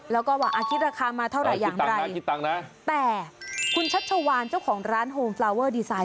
แล้วก็ว่าคิดราคามาเท่าไหร่อย่างไรแต่คุณชัชวานเจ้าของร้านโฮมฟลาเวอร์ดีไซน